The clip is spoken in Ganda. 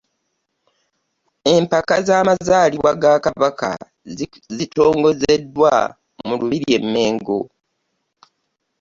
Empaka z'amazaalibwa ga Kabaka zitongozeddwa mu lubiri e Mmengo.